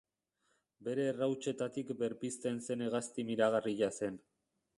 Bere errautsetatik berpizten zen hegazti miragarria zen.